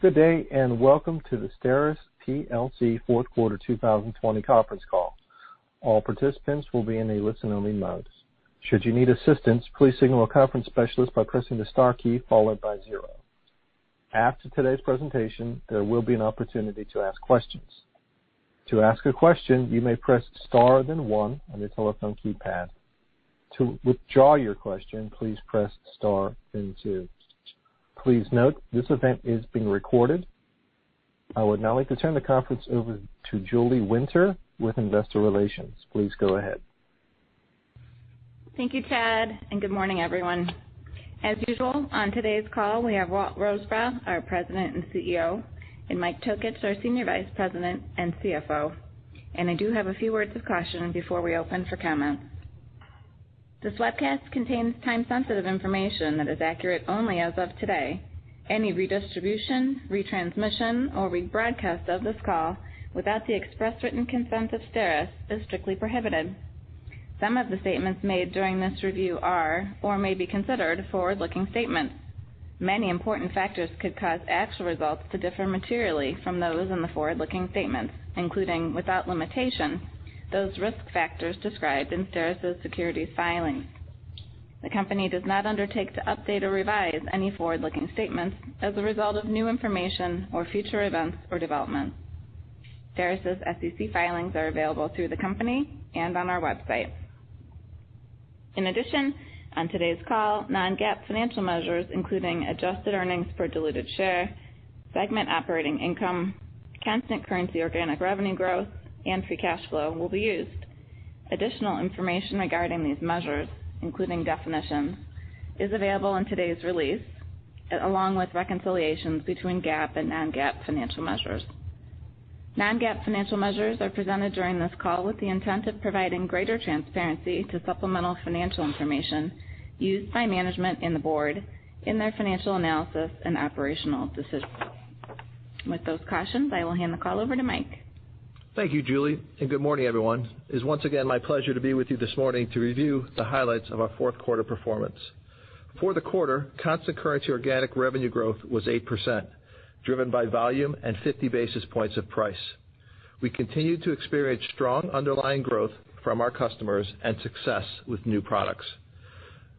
Good day, and welcome to the STERIS plc Fourth Quarter 2020 conference call. All participants will be in a listen-only mode. Should you need assistance, please signal a conference specialist by pressing the star key followed by zero. After today's presentation, there will be an opportunity to ask questions. To ask a question, you may press star then one on your telephone keypad. To withdraw your question, please press star then two. Please note this event is being recorded. I would now like to turn the conference over to Julie Winter with Investor Relations. Please go ahead. Thank you, Chad, and good morning, everyone. As usual, on today's call, we have Walt Rosebrough, our President and CEO, and Mike Tokich, our Senior Vice President and CFO. I do have a few words of caution before we open for comments. This webcast contains time-sensitive information that is accurate only as of today. Any redistribution, retransmission, or rebroadcast of this call without the express written consent of STERIS is strictly prohibited. Some of the statements made during this review are or may be considered forward-looking statements. Many important factors could cause actual results to differ materially from those in the forward-looking statements, including without limitation, those risk factors described in STERIS's securities filings. The company does not undertake to update or revise any forward-looking statements as a result of new information or future events or developments. STERIS's SEC filings are available through the company and on our website. In addition, on today's call, Non-GAAP financial measures, including adjusted earnings per diluted share, segment operating income, constant currency organic revenue growth, and free cash flow, will be used. Additional information regarding these measures, including definitions, is available in today's release along with reconciliations between GAAP and Non-GAAP financial measures. Non-GAAP financial measures are presented during this call with the intent of providing greater transparency to supplemental financial information used by management and the Board in their financial analysis and operational decisions. With those cautions, I will hand the call over to Mike. Thank you, Julie, and good morning, everyone. It is once again my pleasure to be with you this morning to review the highlights of our fourth quarter performance. For the quarter, constant currency organic revenue growth was 8%, driven by volume and 50 basis points of price. We continue to experience strong underlying growth from our customers and success with new products.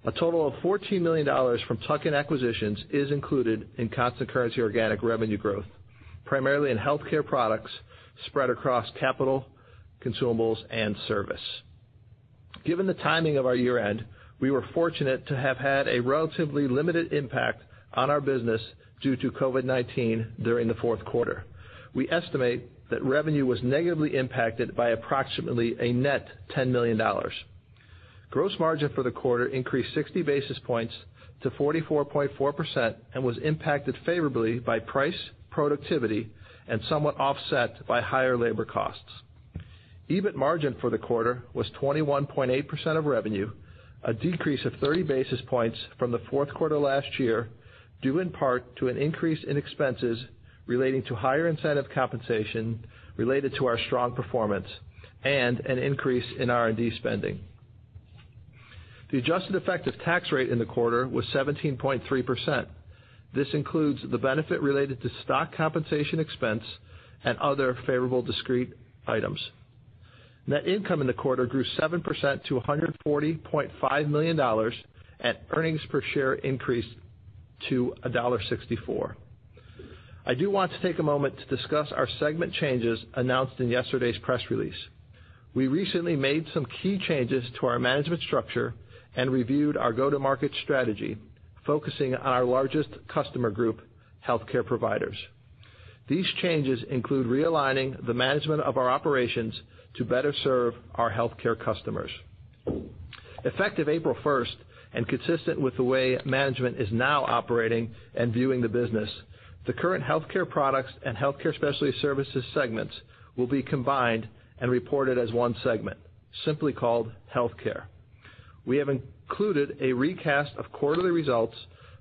A total of $14 million from tuck-in acquisitions is included in constant currency organic revenue growth, primarily in Healthcare Products spread across capital, consumables, and service. Given the timing of our year-end, we were fortunate to have had a relatively limited impact on our business due to COVID-19 during the fourth quarter. We estimate that revenue was negatively impacted by approximately a net $10 million. Gross margin for the quarter increased 60 basis points to 44.4% and was impacted favorably by price, productivity, and somewhat offset by higher labor costs. EBIT margin for the quarter was 21.8% of revenue, a decrease of 30 basis points from the fourth quarter last year, due in part to an increase in expenses relating to higher incentive compensation related to our strong performance and an increase in R&D spending. The adjusted effective tax rate in the quarter was 17.3%. This includes the benefit related to stock compensation expense and other favorable discrete items. Net income in the quarter grew 7% to $140.5 million, and earnings per share increased to $1.64. I do want to take a moment to discuss our segment changes announced in yesterday's press release. We recently made some key changes to our management structure and reviewed our go-to-market strategy, focusing on our largest customer group, healthcare providers. These changes include realigning the management of our operations to better serve our healthcare customers. Effective April 1st and consistent with the way management is now operating and viewing the business, the current Healthcare Products and Healthcare Specialty Services segments will be combined and reported as one segment, simply called Healthcare. We have included a recast of quarterly results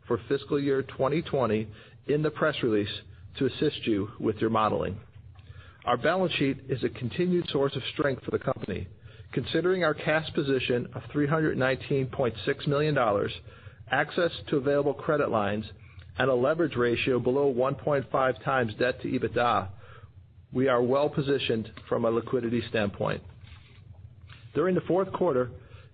for fiscal year 2020 in the press release to assist you with your modeling. Our balance sheet is a continued source of strength for the company. Considering our cash position of $319.6 million, access to available credit lines, and a leverage ratio below 1.5 times debt to EBITDA, we are well positioned from a liquidity standpoint. During the fourth quarter,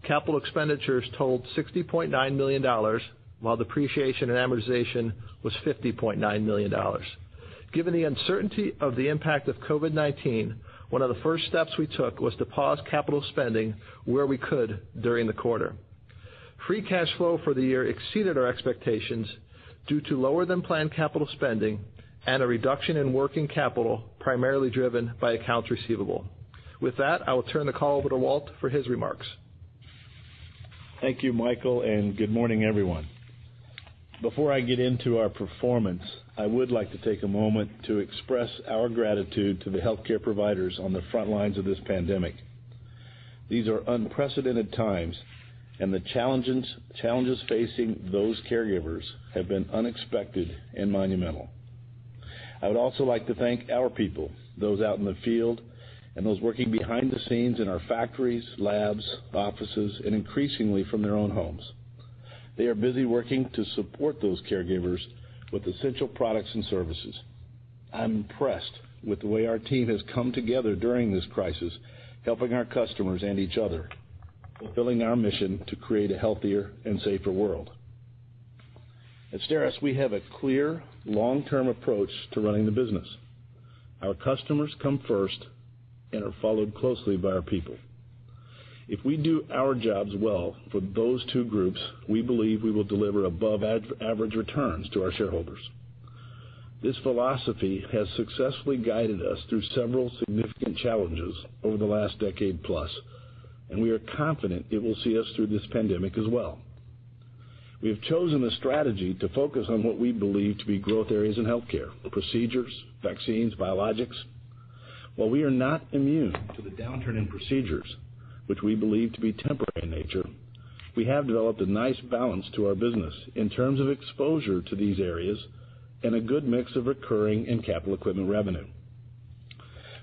capital expenditures totaled $60.9 million, while depreciation and amortization was $50.9 million. Given the uncertainty of the impact of COVID-19, one of the first steps we took was to pause capital spending where we could during the quarter. Free cash flow for the year exceeded our expectations due to lower-than-planned capital spending and a reduction in working capital, primarily driven by accounts receivable. With that, I will turn the call over to Walt for his remarks. Thank you, Michael, and good morning, everyone. Before I get into our performance, I would like to take a moment to express our gratitude to the healthcare providers on the front lines of this pandemic. These are unprecedented times, and the challenges facing those caregivers have been unexpected and monumental. I would also like to thank our people, those out in the field, and those working behind the scenes in our factories, labs, offices, and increasingly from their own homes. They are busy working to support those caregivers with essential products and services. I'm impressed with the way our team has come together during this crisis, helping our customers and each other, fulfilling our mission to create a healthier and safer world. At STERIS, we have a clear, long-term approach to running the business. Our customers come first and are followed closely by our people. If we do our jobs well for those two groups, we believe we will deliver above-average returns to our shareholders. This philosophy has successfully guided us through several significant challenges over the last decade plus, and we are confident it will see us through this pandemic as well. We have chosen a strategy to focus on what we believe to be growth areas in Healthcare: procedures, vaccines, biologics. While we are not immune to the downturn in procedures, which we believe to be temporary in nature, we have developed a nice balance to our business in terms of exposure to these areas and a good mix of recurring and capital equipment revenue.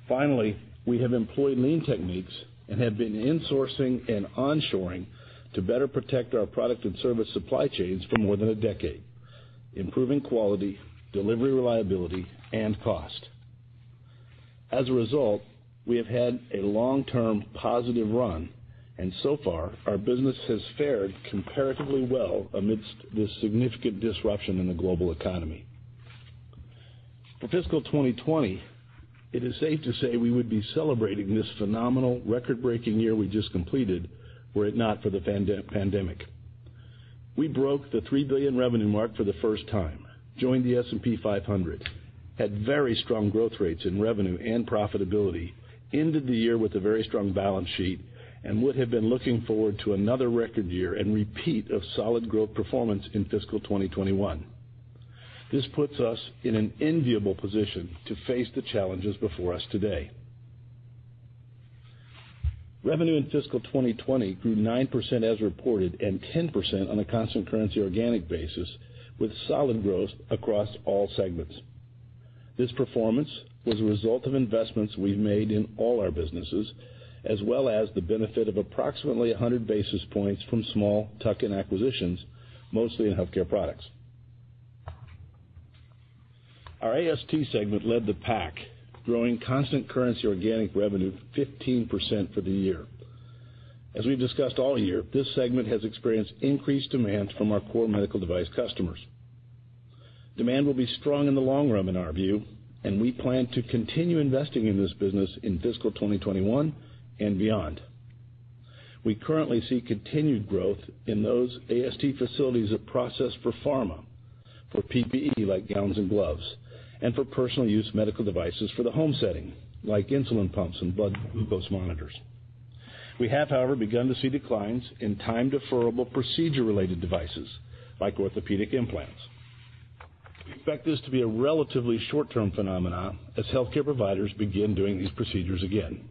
Finally, we have employed lean techniques and have been insourcing and onshoring to better protect our product and service supply chains for more than a decade, improving quality, delivery reliability, and cost. As a result, we have had a long-term positive run, and so far, our business has fared comparatively well amidst this significant disruption in the global economy. For fiscal 2020, it is safe to say we would be celebrating this phenomenal, record-breaking year we just completed were it not for the pandemic. We broke the $3 billion revenue mark for the first time, joined the S&P 500, had very strong growth rates in revenue and profitability, ended the year with a very strong balance sheet, and would have been looking forward to another record year and repeat of solid growth performance in fiscal 2021. This puts us in an enviable position to face the challenges before us today. Revenue in fiscal 2020 grew 9% as reported and 10% on a constant currency organic basis, with solid growth across all segments. This performance was a result of investments we've made in all our businesses, as well as the benefit of approximately 100 basis points from small tuck-in acquisitions, mostly in Healthcare Products. Our AST segment led the pack, growing constant currency organic revenue 15% for the year. As we've discussed all year, this segment has experienced increased demand from our core medical device customers. Demand will be strong in the long run, in our view, and we plan to continue investing in this business in fiscal 2021 and beyond. We currently see continued growth in those AST facilities that process for pharma, for PPE like gowns and gloves, and for personal use medical devices for the home setting, like insulin pumps and blood glucose monitors. We have, however, begun to see declines in time-deferrable procedure-related devices, like orthopedic implants. We expect this to be a relatively short-term phenomenon as healthcare providers begin doing these procedures again.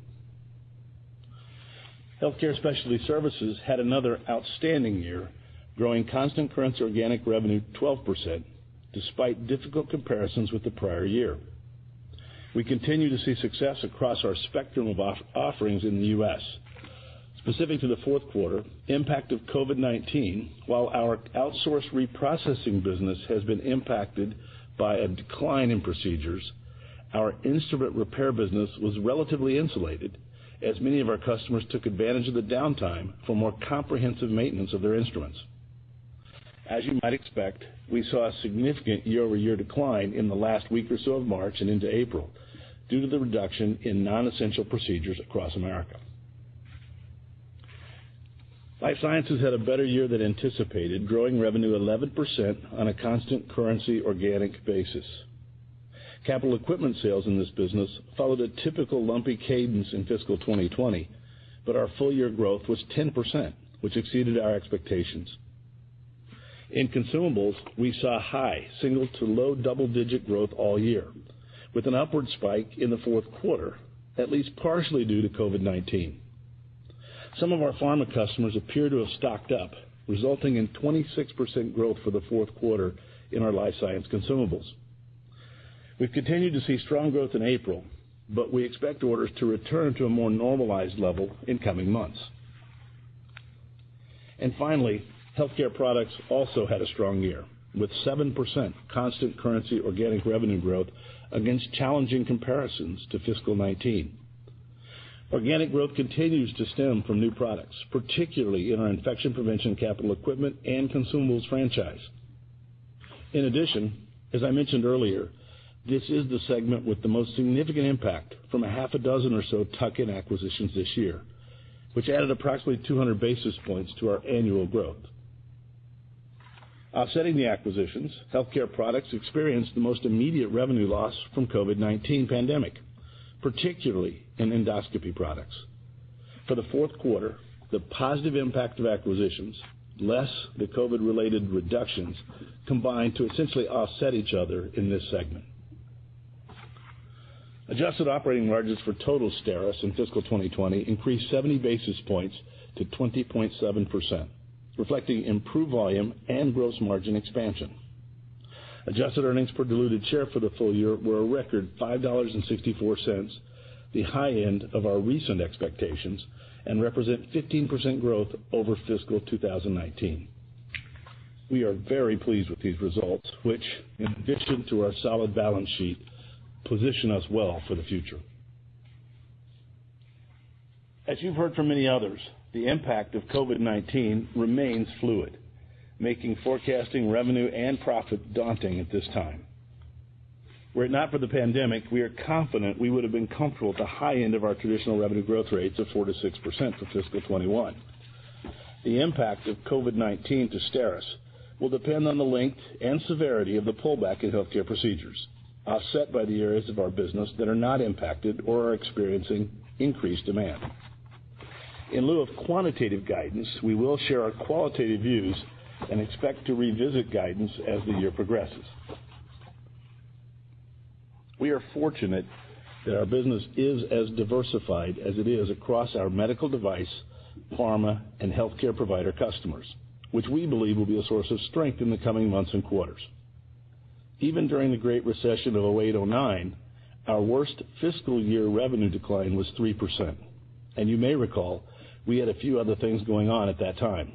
Healthcare Specialty Services had another outstanding year, growing constant currency organic revenue 12%, despite difficult comparisons with the prior year. We continue to see success across our spectrum of offerings in the U.S. Specific to the fourth quarter, the impact of COVID-19, while our outsourced reprocessing business has been impacted by a decline in procedures, our instrument repair business was relatively insulated, as many of our customers took advantage of the downtime for more comprehensive maintenance of their instruments. As you might expect, we saw a significant year-over-year decline in the last week or so of March and into April due to the reduction in non-essential procedures across America. Life Sciences had a better year than anticipated, growing revenue 11% on a constant currency organic basis. Capital equipment sales in this business followed a typical lumpy cadence in fiscal 2020, but our full-year growth was 10%, which exceeded our expectations. In consumables, we saw high single to low double-digit growth all year, with an upward spike in the fourth quarter, at least partially due to COVID-19. Some of our pharma customers appear to have stocked up, resulting in 26% growth for the fourth quarter in our Life Sciences consumables. We've continued to see strong growth in April, but we expect orders to return to a more normalized level in coming months. And finally, Healthcare Products also had a strong year, with 7% constant currency organic revenue growth against challenging comparisons to fiscal 2019. Organic growth continues to stem from new products, particularly in our infection prevention capital equipment and consumables franchise. In addition, as I mentioned earlier, this is the segment with the most significant impact from a half a dozen or so tuck-in acquisitions this year, which added approximately 200 basis points to our annual growth. Offsetting the acquisitions, Healthcare Products experienced the most immediate revenue loss from the COVID-19 pandemic, particularly in endoscopy products. For the fourth quarter, the positive impact of acquisitions, less the COVID-related reductions, combined to essentially offset each other in this segment. Adjusted operating margins for total STERIS in fiscal 2020 increased 70 basis points to 20.7%, reflecting improved volume and gross margin expansion. Adjusted earnings per diluted share for the full year were a record $5.64, the high end of our recent expectations, and represent 15% growth over fiscal 2019. We are very pleased with these results, which, in addition to our solid balance sheet, position us well for the future. As you've heard from many others, the impact of COVID-19 remains fluid, making forecasting revenue and profit daunting at this time. Were it not for the pandemic, we are confident we would have been comfortable at the high end of our traditional revenue growth rates of 4%-6% for fiscal 2021. The impact of COVID-19 to STERIS will depend on the length and severity of the pullback in healthcare procedures, offset by the areas of our business that are not impacted or are experiencing increased demand. In lieu of quantitative guidance, we will share our qualitative views and expect to revisit guidance as the year progresses. We are fortunate that our business is as diversified as it is across our medical device, pharma, and Healthcare provider customers, which we believe will be a source of strength in the coming months and quarters. Even during the Great Recession of 2008, 2009, our worst fiscal year revenue decline was 3%, and you may recall we had a few other things going on at that time.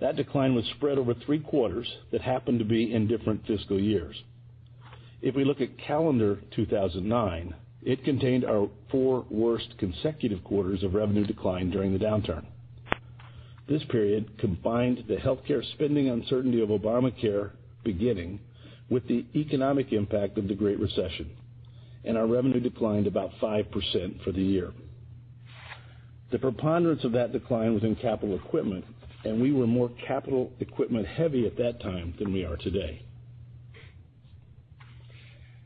That decline was spread over three quarters that happened to be in different fiscal years. If we look at calendar 2009, it contained our four worst consecutive quarters of revenue decline during the downturn. This period combined the healthcare spending uncertainty of Obamacare beginning with the economic impact of the Great Recession, and our revenue declined about 5% for the year. The preponderance of that decline was in capital equipment, and we were more capital equipment-heavy at that time than we are today.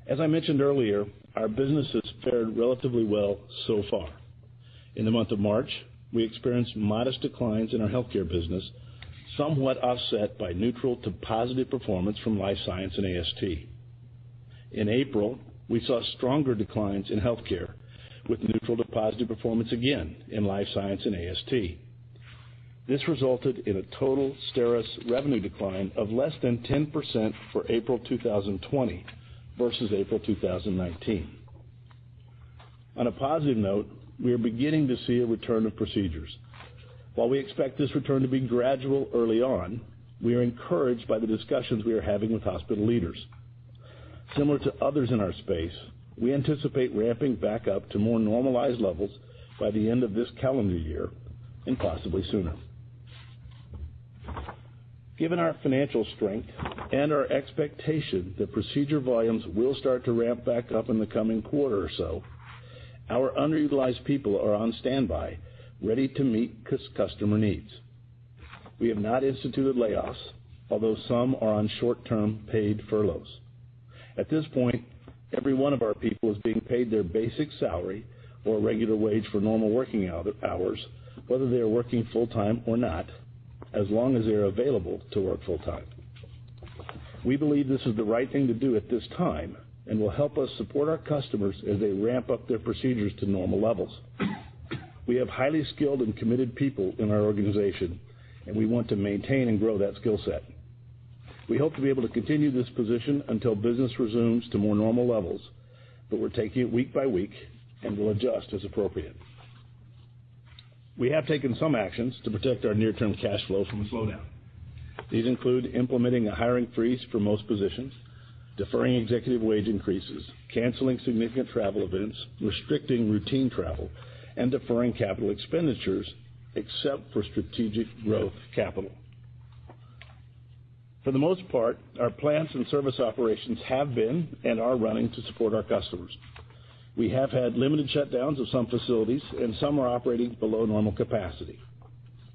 As I mentioned earlier, our business has fared relatively well so far. In the month of March, we experienced modest declines in our Healthcare business, somewhat offset by neutral to positive performance from Life Sciences and AST. In April, we saw stronger declines in Healthcare, with neutral to positive performance again in Life Sciences and AST. This resulted in a total STERIS revenue decline of less than 10% for April 2020 versus April 2019. On a positive note, we are beginning to see a return of procedures. While we expect this return to be gradual early on, we are encouraged by the discussions we are having with hospital leaders. Similar to others in our space, we anticipate ramping back up to more normalized levels by the end of this calendar year and possibly sooner. Given our financial strength and our expectation that procedure volumes will start to ramp back up in the coming quarter or so, our underutilized people are on standby, ready to meet customer needs. We have not instituted layoffs, although some are on short-term paid furloughs. At this point, every one of our people is being paid their basic salary or regular wage for normal working hours, whether they are working full-time or not, as long as they are available to work full-time. We believe this is the right thing to do at this time and will help us support our customers as they ramp up their procedures to normal levels. We have highly skilled and committed people in our organization, and we want to maintain and grow that skill set. We hope to be able to continue this position until business resumes to more normal levels, but we're taking it week by week and will adjust as appropriate. We have taken some actions to protect our near-term cash flow from a slowdown. These include implementing a hiring freeze for most positions, deferring executive wage increases, canceling significant travel events, restricting routine travel, and deferring capital expenditures except for strategic growth capital. For the most part, our plants and service operations have been and are running to support our customers. We have had limited shutdowns of some facilities, and some are operating below normal capacity.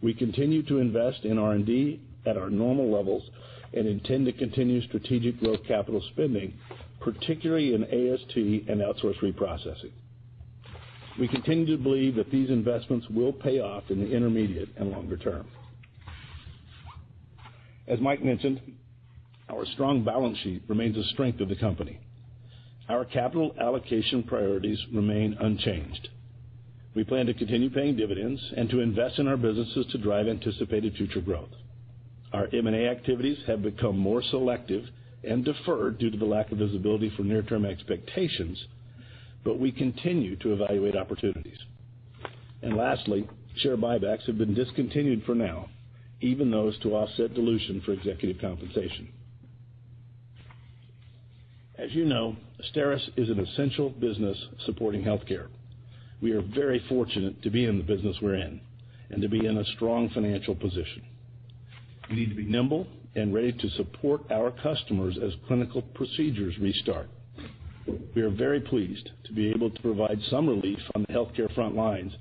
We continue to invest in R&D at our normal levels and intend to continue strategic growth capital spending, particularly in AST and outsourced reprocessing. We continue to believe that these investments will pay off in the intermediate and longer term. As Mike mentioned, our strong balance sheet remains a strength of the company. Our capital allocation priorities remain unchanged. We plan to continue paying dividends and to invest in our businesses to drive anticipated future growth. Our M&A activities have become more selective and deferred due to the lack of visibility for near-term expectations, but we continue to evaluate opportunities. And lastly, share buybacks have been discontinued for now, even those to offset dilution for executive compensation. As you know, STERIS is an essential business supporting Healthcare. We are very fortunate to be in the business we're in and to be in a strong financial position. We need to be nimble and ready to support our customers as clinical procedures restart. We are very pleased to be able to provide some relief on the healthcare front lines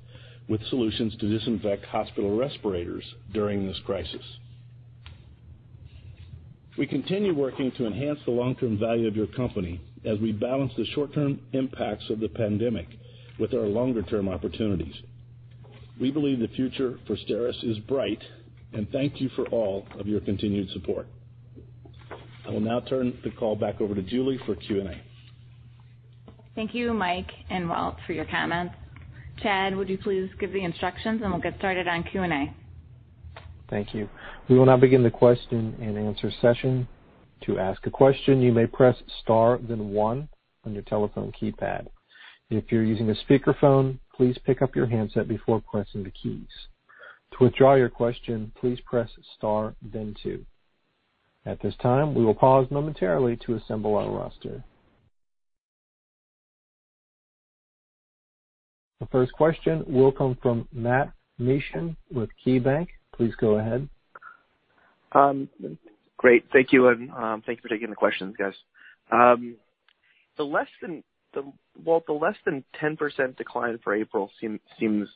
with solutions to disinfect hospital respirators during this crisis. We continue working to enhance the long-term value of your company as we balance the short-term impacts of the pandemic with our longer-term opportunities. We believe the future for STERIS is bright, and thank you for all of your continued support. I will now turn the call back over to Julie for Q&A. Thank you, Mike and Walt, for your comments. Chad, would you please give the instructions, and we'll get started on Q&A. Thank you. We will now begin the question-and-answer session. To ask a question, you may press Star, then one on your telephone keypad. If you're using a speakerphone, please pick up your handset before pressing the keys. To withdraw your question, please press Star, then two. At this time, we will pause momentarily to assemble our roster. The first question will come from Matthew Mishan with KeyBanc Capital Markets. Please go ahead. Great. Thank you, and thank you for taking the questions, guys. The less than 10% decline for April seems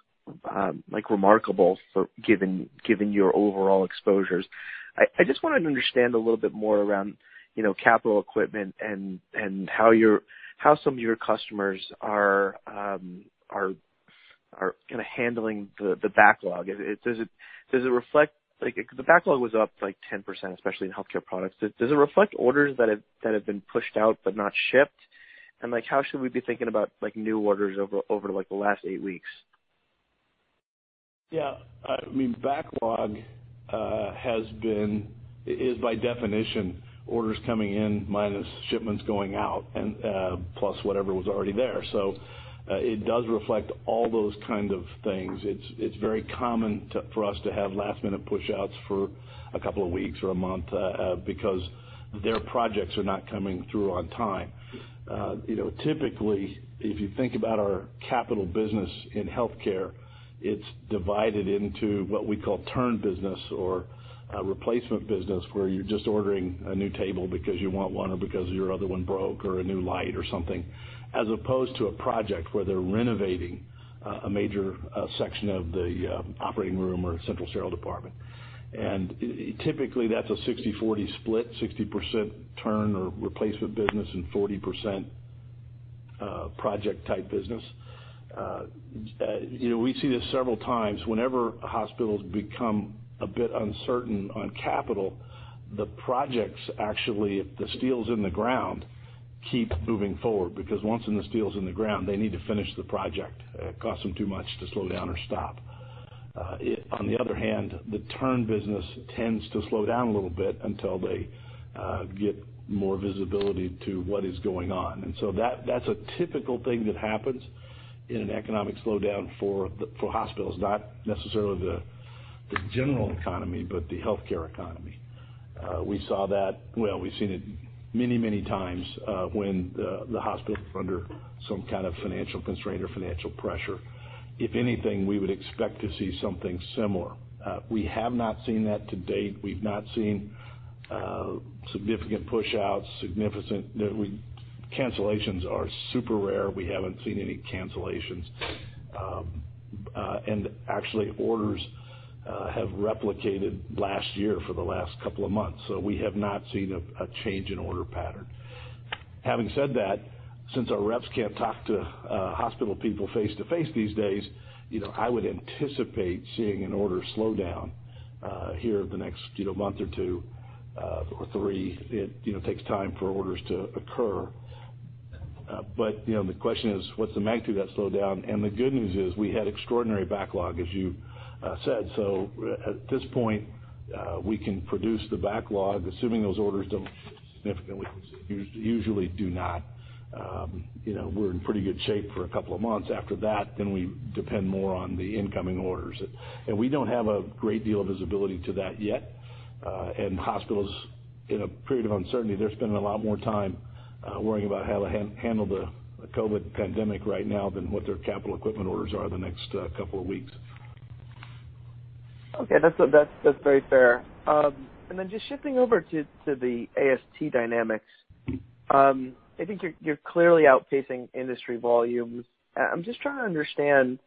remarkable given your overall exposures. I just wanted to understand a little bit more around capital equipment and how some of your customers are kind of handling the backlog. Does it reflect the backlog was up like 10%, especially in Healthcare Products? Does it reflect orders that have been pushed out but not shipped? And how should we be thinking about new orders over the last eight weeks? Yeah. I mean, backlog is, by definition, orders coming in minus shipments going out, plus whatever was already there. So it does reflect all those kinds of things. It's very common for us to have last-minute push-outs for a couple of weeks or a month because their projects are not coming through on time. Typically, if you think about our capital business in Healthcare, it's divided into what we call turn business or replacement business, where you're just ordering a new table because you want one or because your other one broke or a new light or something, as opposed to a project where they're renovating a major section of the operating room or central sterile department, and typically, that's a 60/40 split, 60% turn or replacement business and 40% project-type business. We see this several times. Whenever hospitals become a bit uncertain on capital, the projects actually, if the steel's in the ground, keep moving forward because once the steel's in the ground, they need to finish the project. It costs them too much to slow down or stop. On the other hand, the turn business tends to slow down a little bit until they get more visibility to what is going on. And so that's a typical thing that happens in an economic slowdown for hospitals, not necessarily the general economy, but the Healthcare economy. We saw that, well, we've seen it many, many times when the hospital is under some kind of financial constraint or financial pressure. If anything, we would expect to see something similar. We have not seen that to date. We've not seen significant push-outs. Cancellations are super rare. We haven't seen any cancellations. Actually, orders have replicated last year for the last couple of months, so we have not seen a change in order pattern. Having said that, since our reps can't talk to hospital people face-to-face these days, I would anticipate seeing an order slow down here the next month or two or three. It takes time for orders to occur. The question is, what's the magic of that slowdown? The good news is we had extraordinary backlog, as you said. At this point, we can produce the backlog, assuming those orders don't significantly usually do not. We're in pretty good shape for a couple of months. After that, then we depend more on the incoming orders. We don't have a great deal of visibility to that yet. Hospitals, in a period of uncertainty, they're spending a lot more time worrying about how to handle the COVID pandemic right now than what their capital equipment orders are the next couple of weeks. Okay. That's very fair. And then just shifting over to the AST dynamics, I think you're clearly outpacing industry volumes. I'm just trying to understand,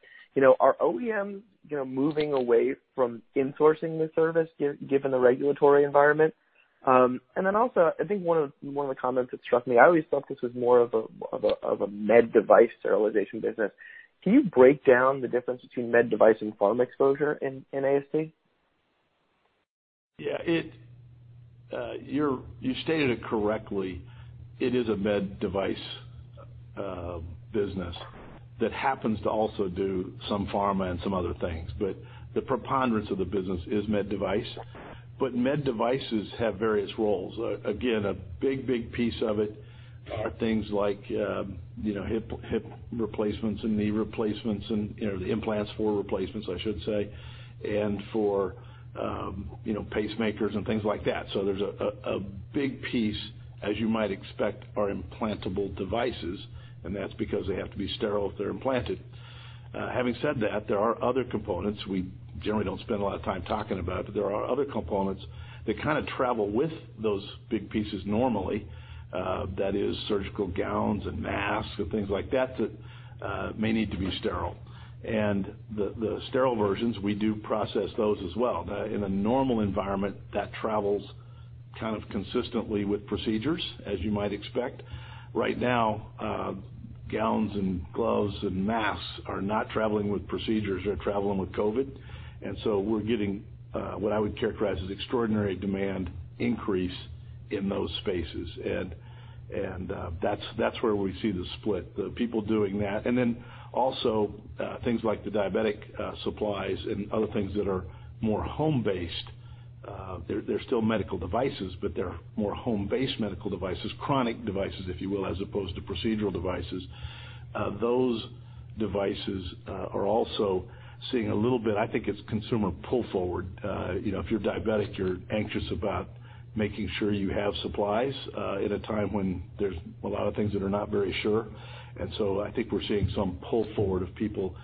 are OEMs moving away from insourcing the service given the regulatory environment? And then also, I think one of the comments that struck me, I always thought this was more of a med device sterilization business. Can you break down the difference between med device and pharma exposure in AST? Yeah. You stated it correctly. It is a med device business that happens to also do some pharma and some other things. But the preponderance of the business is med device. But med devices have various roles. Again, a big, big piece of it are things like hip replacements and knee replacements and the implants for replacements, I should say, and for pacemakers and things like that. So there's a big piece, as you might expect, are implantable devices, and that's because they have to be sterile if they're implanted. Having said that, there are other components. We generally don't spend a lot of time talking about it, but there are other components that kind of travel with those big pieces normally, that is, surgical gowns and masks and things like that that may need to be sterile. And the sterile versions, we do process those as well. In a normal environment, that travels kind of consistently with procedures, as you might expect. Right now, gowns and gloves and masks are not traveling with procedures. They're traveling with COVID. And so we're getting what I would characterize as extraordinary demand increase in those spaces. And that's where we see the split, the people doing that. And then also, things like the diabetic supplies and other things that are more home-based. They're still medical devices, but they're more home-based medical devices, chronic devices, if you will, as opposed to procedural devices. Those devices are also seeing a little bit, I think it's consumer pull forward. If you're diabetic, you're anxious about making sure you have supplies at a time when there's a lot of things that are not very sure. And so I think we're seeing some pull forward of people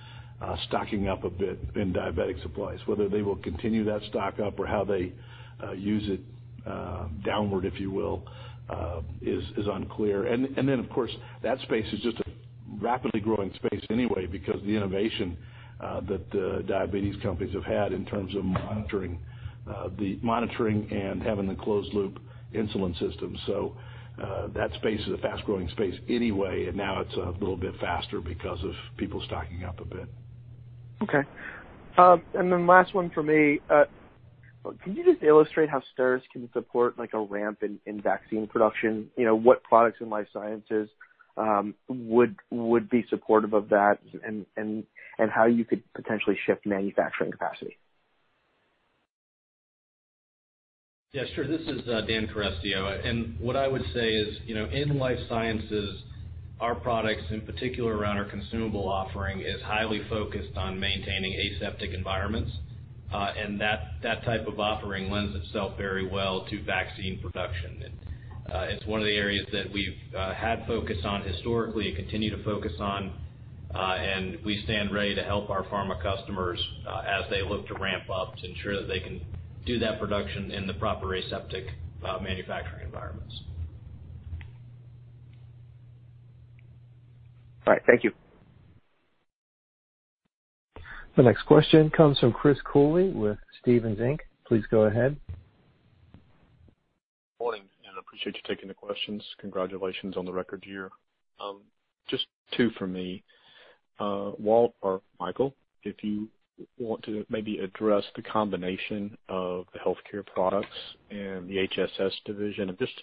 stocking up a bit in diabetic supplies. Whether they will continue that stock up or how they draw it down, if you will, is unclear, and then, of course, that space is just a rapidly growing space anyway because of the innovation that diabetes companies have had in terms of monitoring and having the closed-loop insulin system, so that space is a fast-growing space anyway, and now it's a little bit faster because of people stocking up a bit. Okay. And then last one for me. Can you just illustrate how STERIS can support a ramp in vaccine production? What products in Life Sciences would be supportive of that and how you could potentially shift manufacturing capacity? Yeah. Sure. This is Dan Carestio. And what I would say is, in Life Sciences, our products, in particular around our consumable offering, are highly focused on maintaining aseptic environments. And that type of offering lends itself very well to vaccine production. It's one of the areas that we've had focus on historically and continue to focus on. And we stand ready to help our pharma customers as they look to ramp up to ensure that they can do that production in the proper aseptic manufacturing environments. All right. Thank you. The next question comes from Chris Cooley with Stephens Inc. Please go ahead. Morning, and I appreciate you taking the questions. Congratulations on the record year. Just two for me. Walt or Michael, if you want to maybe address the combination of the Healthcare Products and the HSS division. I'm just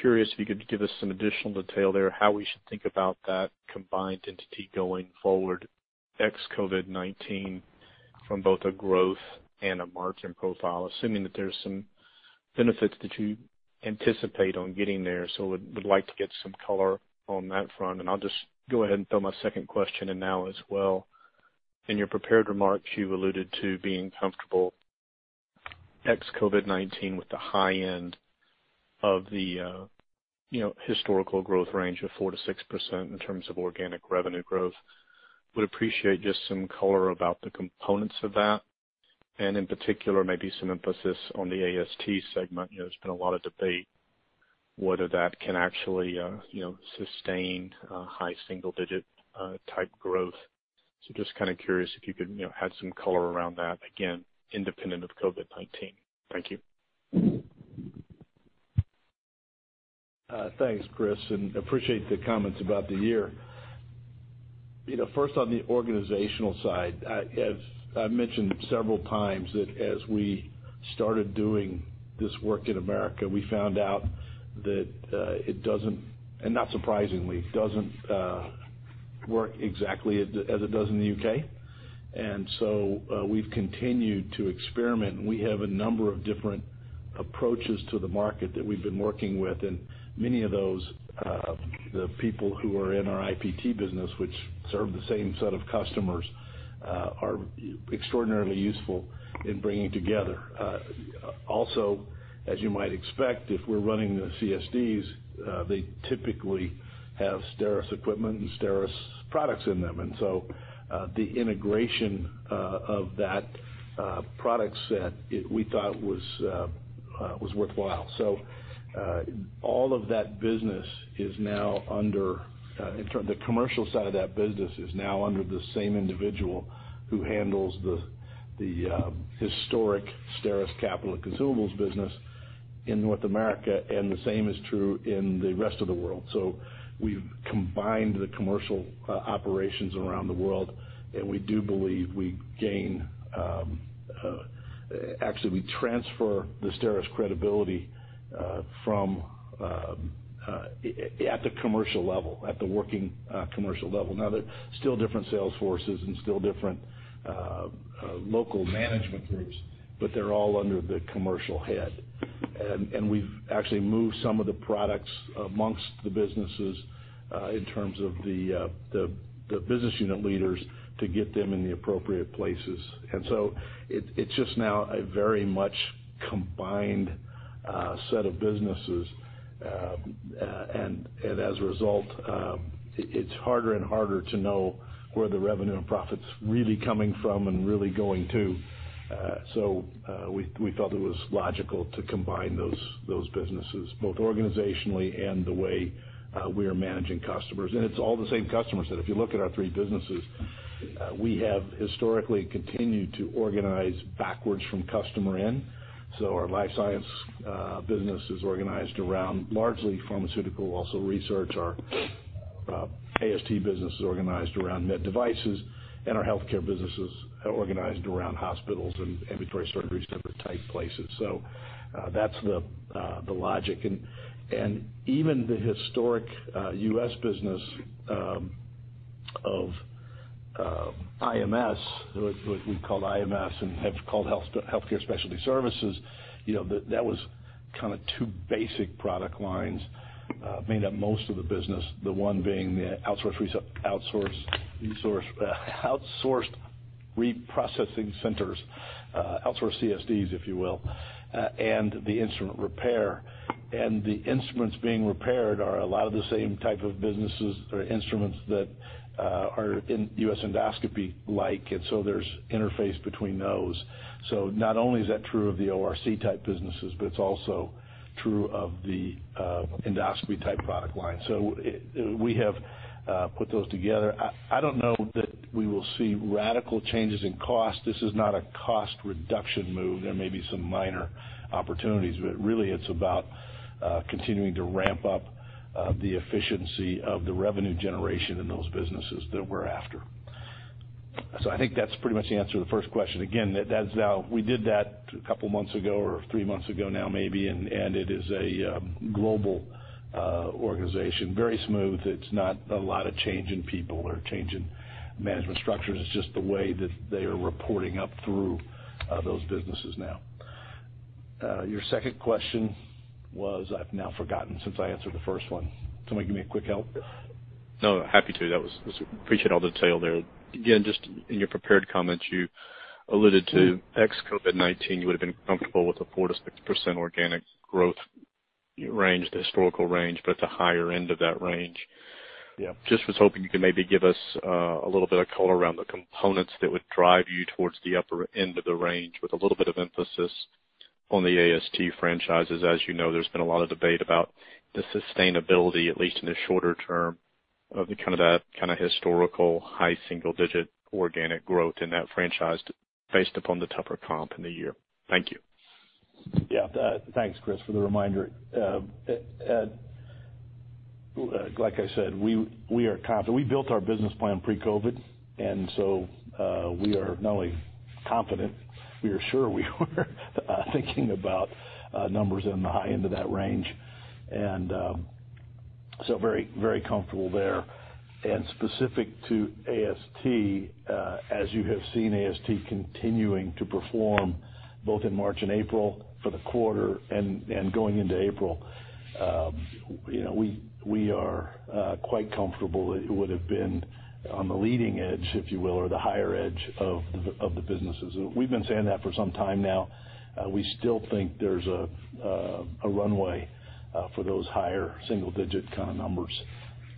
curious if you could give us some additional detail there, how we should think about that combined entity going forward ex-COVID-19 from both a growth and a margin profile, assuming that there's some benefits that you anticipate on getting there, so we'd like to get some color on that front, and I'll just go ahead and throw my second question in now as well. In your prepared remarks, you alluded to being comfortable ex-COVID-19 with the high end of the historical growth range of 4%-6% in terms of organic revenue growth. Would appreciate just some color about the components of that. And in particular, maybe some emphasis on the AST segment. There's been a lot of debate whether that can actually sustain high single-digit type growth. So just kind of curious if you could add some color around that, again, independent of COVID-19? Thank you. Thanks, Chris. And appreciate the comments about the year. First, on the organizational side, I've mentioned several times that as we started doing this work in America, we found out that it doesn't, and not surprisingly, doesn't work exactly as it does in the U.K. And so we've continued to experiment. We have a number of different approaches to the market that we've been working with. And many of those, the people who are in our IPT business, which serve the same set of customers, are extraordinarily useful in bringing together. Also, as you might expect, if we're running the CSDs, they typically have STERIS equipment and STERIS products in them. And so the integration of that product set we thought was worthwhile. All of that business is now under the commercial side. That business is now under the same individual who handles the historic STERIS capital consumables business in North America. The same is true in the rest of the world. We've combined the commercial operations around the world, and we do believe we gain. Actually, we transfer the STERIS credibility at the commercial level, at the working commercial level. Now, they're still different sales forces and still different local management groups, but they're all under the commercial head. And we've actually moved some of the products amongst the businesses in terms of the business unit leaders to get them in the appropriate places. It's just now a very much combined set of businesses. And as a result, it's harder and harder to know where the revenue and profits are really coming from and really going to. So we felt it was logical to combine those businesses, both organizationally and the way we are managing customers. And it's all the same customers that if you look at our three businesses, we have historically continued to organize backwards from customer in. So our Life Sciences business is organized around largely pharmaceutical, also research. Our AST business is organized around med devices, and our Healthcare business is organized around hospitals and ambulatory surgery type places. So that's the logic. And even the historic U.S. business of IMS, what we called IMS and have called Healthcare Specialty Services, that was kind of two basic product lines made up most of the business, the one being the outsourced reprocessing centers, outsourced CSDs, if you will, and the instrument repair. And the instruments being repaired are a lot of the same type of businesses or instruments that are in U.S. Endoscopy-like. And so there's interface between those. So not only is that true of the ORC type businesses, but it's also true of the endoscopy type product line. So we have put those together. I don't know that we will see radical changes in cost. This is not a cost reduction move. There may be some minor opportunities, but really, it's about continuing to ramp up the efficiency of the revenue generation in those businesses that we're after. So I think that's pretty much the answer to the first question. Again, we did that a couple of months ago or three months ago now, maybe, and it is a global organization. Very smooth. It's not a lot of change in people or change in management structures. It's just the way that they are reporting up through those businesses now. Your second question was. I've now forgotten since I answered the first one. Somebody give me a quick help? No, happy to. I appreciate all the detail there. Again, just in your prepared comments, you alluded to ex-COVID-19, you would have been comfortable with a 4%-6% organic growth range, the historical range, but at the higher end of that range. Just was hoping you could maybe give us a little bit of color around the components that would drive you towards the upper end of the range with a little bit of emphasis on the AST franchises. As you know, there's been a lot of debate about the sustainability, at least in the shorter term, of kind of that kind of historical high single-digit organic growth in that franchise based upon the tougher comp in the year. Thank you. Yeah. Thanks, Chris, for the reminder. Like I said, we are confident. We built our business plan pre-COVID. And so we are not only confident, we are sure we were thinking about numbers in the high end of that range. And so very comfortable there. And specific to AST, as you have seen AST continuing to perform both in March and April for the quarter and going into April, we are quite comfortable that it would have been on the leading edge, if you will, or the higher edge of the businesses. We've been saying that for some time now. We still think there's a runway for those higher single-digit kind of numbers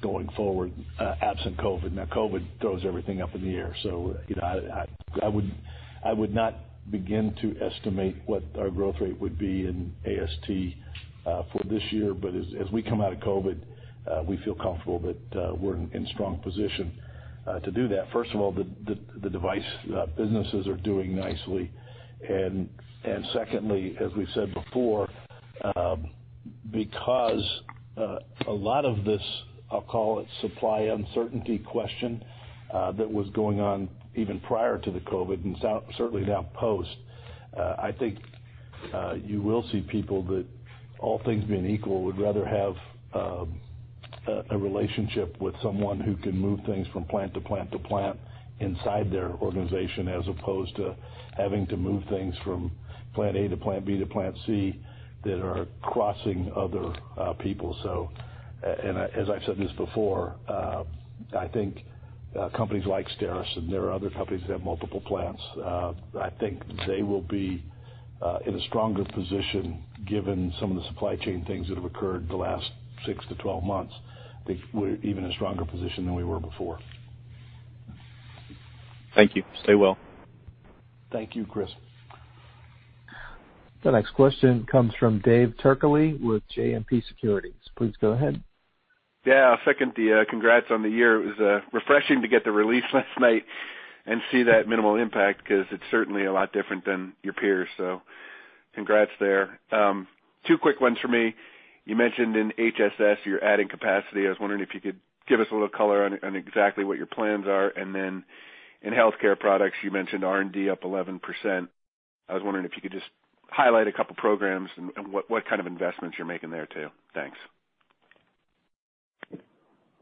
going forward absent COVID. Now, COVID throws everything up in the air. So I would not begin to estimate what our growth rate would be in AST for this year. But as we come out of COVID, we feel comfortable that we're in a strong position to do that. First of all, the device businesses are doing nicely. And secondly, as we've said before, because a lot of this, I'll call it supply uncertainty question that was going on even prior to the COVID and certainly now post, I think you will see people that all things being equal would rather have a relationship with someone who can move things from plant to plant to plant inside their organization as opposed to having to move things from plant A to plant B to plant C that are crossing other people. So as I've said this before, I think companies like STERIS, and there are other companies that have multiple plants, I think they will be in a stronger position given some of the supply chain things that have occurred the last six to 12 months. I think we're even in a stronger position than we were before. Thank you. Stay well. Thank you, Chris. The next question comes from David Turkaly with JMP Securities. Please go ahead. Yeah. Second, congrats on the year. It was refreshing to get the release last night and see that minimal impact because it's certainly a lot different than your peers. So congrats there. Two quick ones for me. You mentioned in HSS you're adding capacity. I was wondering if you could give us a little color on exactly what your plans are. And then in Healthcare Products, you mentioned R&D up 11%. I was wondering if you could just highlight a couple of programs and what kind of investments you're making there too. Thanks.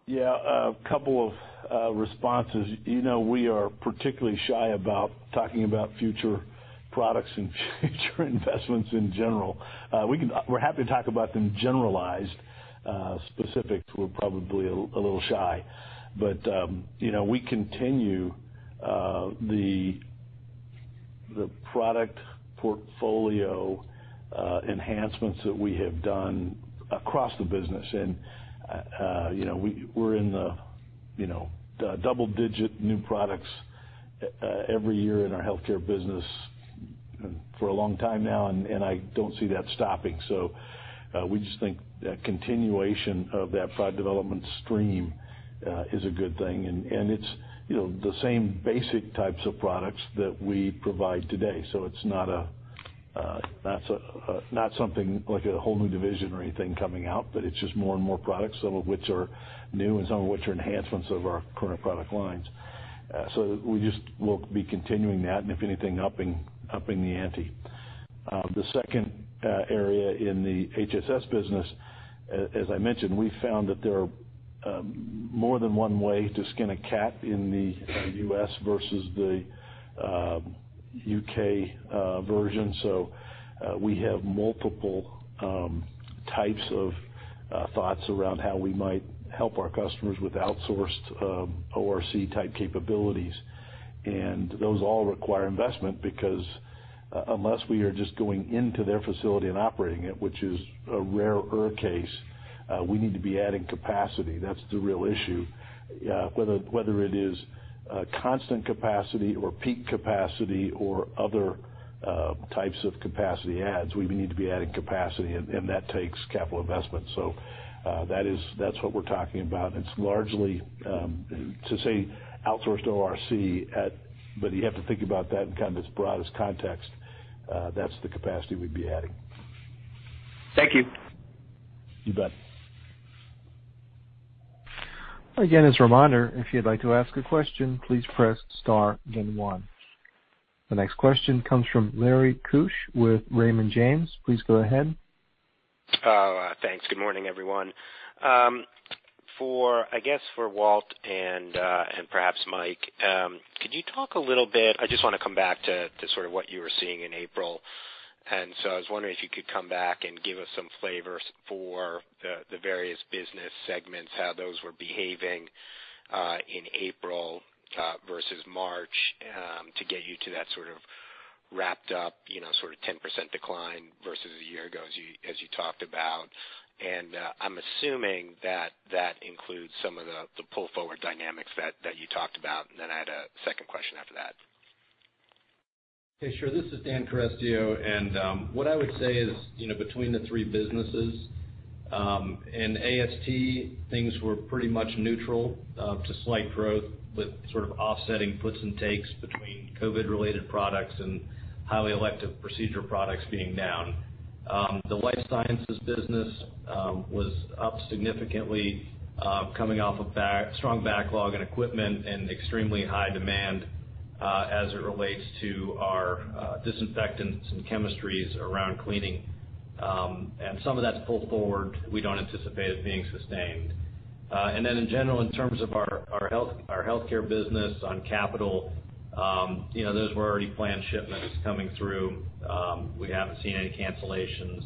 Yeah. A couple of responses. We are particularly shy about talking about future products and future investments in general. We're happy to talk about them generalized. Specifics, we're probably a little shy. But we continue the product portfolio enhancements that we have done across the business. And we're in the double-digit new products every year in our Healthcare business for a long time now. And I don't see that stopping. So we just think that continuation of that product development stream is a good thing. And it's the same basic types of products that we provide today. So it's not something like a whole new division or anything coming out, but it's just more and more products, some of which are new and some of which are enhancements of our current product lines. So we just will be continuing that and if anything, upping the ante. The second area in the HSS business, as I mentioned, we found that there are more than one way to skin a cat in the U.S. versus the U.K. version. So we have multiple types of thoughts around how we might help our customers with outsourced ORC type capabilities. And those all require investment because unless we are just going into their facility and operating it, which is a rare case, we need to be adding capacity. That's the real issue. Whether it is constant capacity or peak capacity or other types of capacity adds, we need to be adding capacity. And that takes capital investment. So that's what we're talking about. And it's largely to say outsourced ORC, but you have to think about that in kind of its broadest context. That's the capacity we'd be adding. Thank you. You bet. Again, as a reminder, if you'd like to ask a question, please press star then one. The next question comes from Lawrence Keusch with Raymond James. Please go ahead. Thanks. Good morning, everyone. I guess for Walt and perhaps Mike, could you talk a little bit? I just want to come back to sort of what you were seeing in April. And so I was wondering if you could come back and give us some flavor for the various business segments, how those were behaving in April versus March to get you to that sort of wrapped-up sort of 10% decline versus a year ago, as you talked about. And I'm assuming that that includes some of the pull-forward dynamics that you talked about. And then I had a second question after that. Okay. Sure. This is Dan Carestio. And what I would say is between the three businesses, in AST, things were pretty much neutral to slight growth, but sort of offsetting puts and takes between COVID-related products and highly elective procedure products being down. The Life Sciences business was up significantly, coming off of strong backlog and equipment and extremely high demand as it relates to our disinfectants and chemistries around cleaning. And some of that's pull-forward. We don't anticipate it being sustained. And then in general, in terms of our Healthcare business on capital, those were already planned shipments coming through. We haven't seen any cancellations.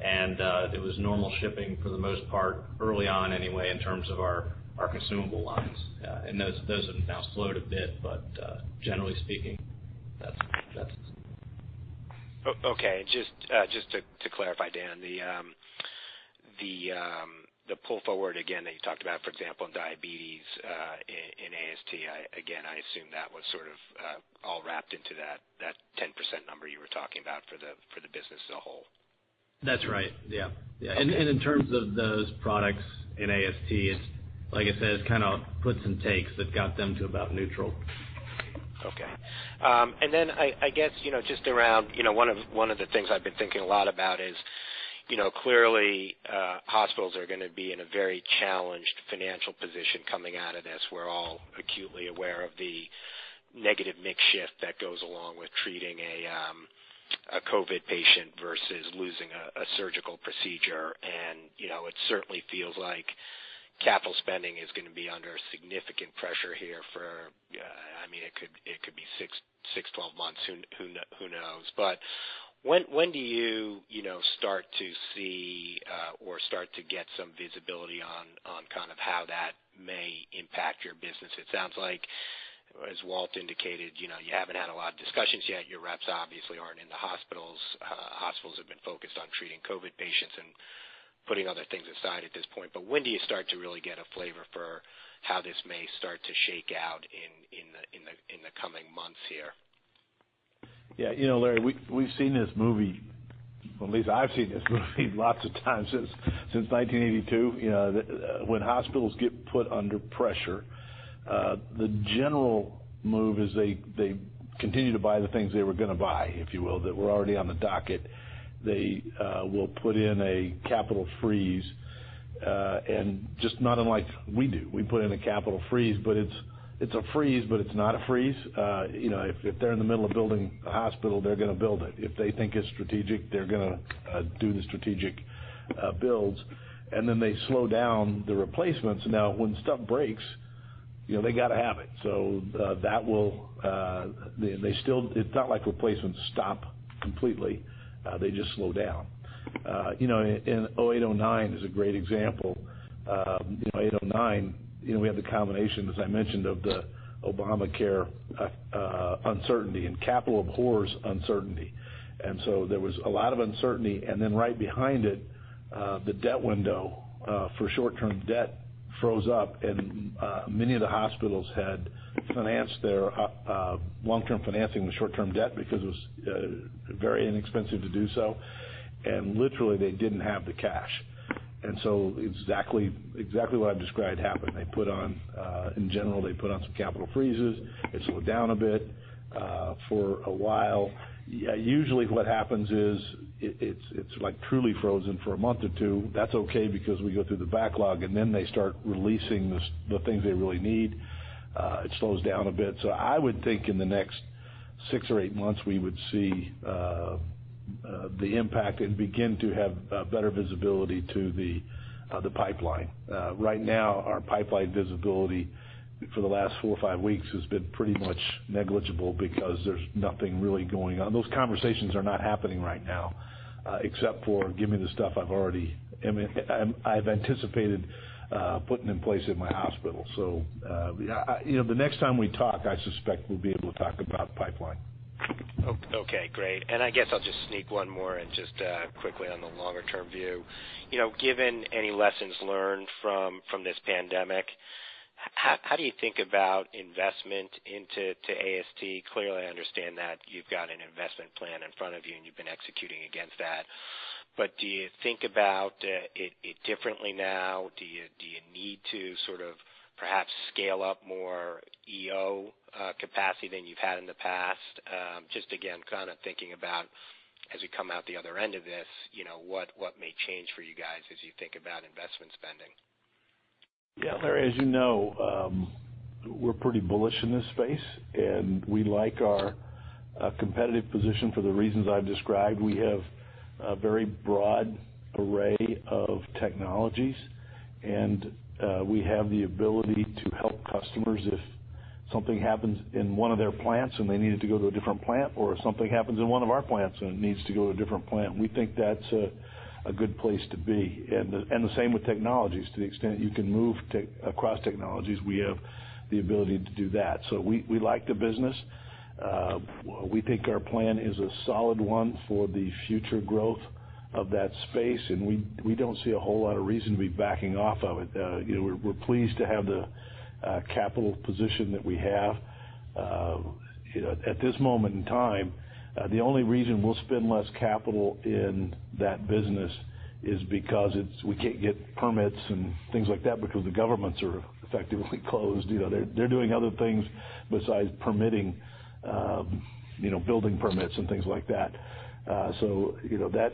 And it was normal shipping for the most part, early on anyway, in terms of our consumable lines. And those have now slowed a bit, but generally speaking, that's it. Okay. Just to clarify, Dan, the pull-forward again that you talked about, for example, in diabetes in AST, again, I assume that was sort of all wrapped into that 10% number you were talking about for the business as a whole? That's right. Yeah. Yeah. And in terms of those products in AST, like I said, it's kind of puts and takes that got them to about neutral. Okay. And then I guess just around one of the things I've been thinking a lot about is clearly hospitals are going to be in a very challenged financial position coming out of this. We're all acutely aware of the negative case mix that goes along with treating a COVID patient versus losing a surgical procedure. And it certainly feels like capital spending is going to be under significant pressure here for, I mean, it could be six, 12 months. Who knows? But when do you start to see or start to get some visibility on kind of how that may impact your business? It sounds like, as Walt indicated, you haven't had a lot of discussions yet. Your reps obviously aren't in the hospitals. Hospitals have been focused on treating COVID patients and putting other things aside at this point. But when do you start to really get a flavor for how this may start to shake out in the coming months here? Yeah. Larry, we've seen this movie, or at least I've seen this movie lots of times since 1982. When hospitals get put under pressure, the general move is they continue to buy the things they were going to buy, if you will, that were already on the docket. They will put in a capital freeze. And just not unlike we do, we put in a capital freeze, but it's a freeze, but it's not a freeze. If they're in the middle of building a hospital, they're going to build it. If they think it's strategic, they're going to do the strategic builds. And then they slow down the replacements. Now, when stuff breaks, they got to have it. So that will. It's not like replacements stop completely. They just slow down. And 2008/2009 is a great example. 2008/2009, we had the combination, as I mentioned, of the Obamacare uncertainty and capital orders uncertainty, and so there was a lot of uncertainty, and then right behind it, the debt window for short-term debt froze up, and many of the hospitals had financed their long-term financing with short-term debt because it was very inexpensive to do so, and literally, they didn't have the cash, and so exactly what I've described happened. In general, they put on some capital freezes. It slowed down a bit for a while. Usually, what happens is it's truly frozen for a month or two. That's okay because we go through the backlog, and then they start releasing the things they really need. It slows down a bit, so I would think in the next six or eight months, we would see the impact and begin to have better visibility to the pipeline. Right now, our pipeline visibility for the last four or five weeks has been pretty much negligible because there's nothing really going on. Those conversations are not happening right now except for, "Give me the stuff I've already anticipated putting in place at my hospital." So the next time we talk, I suspect we'll be able to talk about pipeline. Okay. Great. And I guess I'll just sneak one more and just quickly on the longer-term view. Given any lessons learned from this pandemic, how do you think about investment into AST? Clearly, I understand that you've got an investment plan in front of you, and you've been executing against that. But do you think about it differently now? Do you need to sort of perhaps scale up more EO capacity than you've had in the past? Just again, kind of thinking about, as we come out the other end of this, what may change for you guys as you think about investment spending? Yeah. Larry, as you know, we're pretty bullish in this space. And we like our competitive position for the reasons I've described. We have a very broad array of technologies, and we have the ability to help customers if something happens in one of their plants and they needed to go to a different plant, or if something happens in one of our plants and it needs to go to a different plant. We think that's a good place to be. And the same with technologies. To the extent you can move across technologies, we have the ability to do that. So we like the business. We think our plan is a solid one for the future growth of that space. And we don't see a whole lot of reason to be backing off of it. We're pleased to have the capital position that we have. At this moment in time, the only reason we'll spend less capital in that business is because we can't get permits and things like that because the governments are effectively closed. They're doing other things besides permitting, building permits and things like that. So that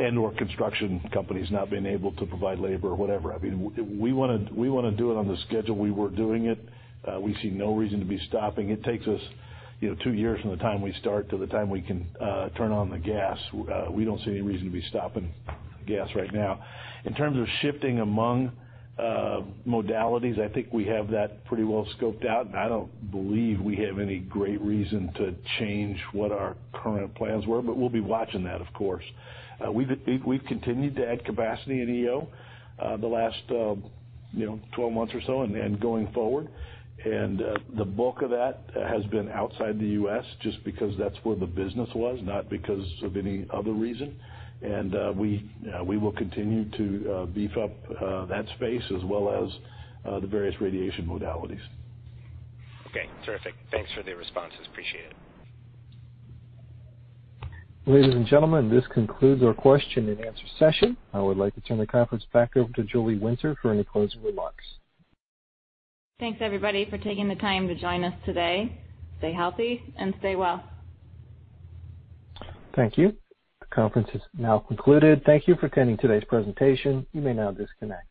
and/or construction companies not being able to provide labor or whatever. I mean, we want to do it on the schedule we were doing it. We see no reason to be stopping. It takes us two years from the time we start to the time we can turn on the gas. We don't see any reason to be stopping gas right now. In terms of shifting among modalities, I think we have that pretty well scoped out. And I don't believe we have any great reason to change what our current plans were. But we'll be watching that, of course. We've continued to add capacity in EO the last 12 months or so and going forward. And the bulk of that has been outside the U.S. just because that's where the business was, not because of any other reason. And we will continue to beef up that space as well as the various radiation modalities. Okay. Terrific. Thanks for the responses. Appreciate it. Ladies and gentlemen, this concludes our question-and-answer session. I would like to turn the conference back over to Julie Winter for any closing remarks. Thanks, everybody, for taking the time to join us today. Stay healthy and stay well. Thank you. The conference is now concluded. Thank you for attending today's presentation. You may now disconnect.